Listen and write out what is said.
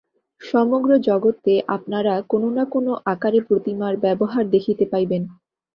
সমগ্র জগতে আপনারা কোন-না-কোন আকারে প্রতিমার ব্যবহার দেখিতে পাইবেন।